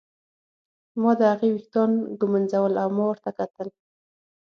ما د هغې ویښتان ږمونځول او ما ورته کتل.